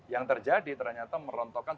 yang terjadi ternyata merontokkan